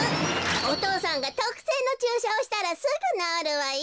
おとうさんがとくせいのちゅうしゃをしたらすぐなおるわよ。